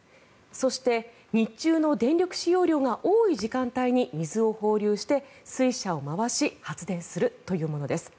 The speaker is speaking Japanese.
そして、日中の電力使用量が多い時間帯に水を放流して、水車を回し発電するというものです。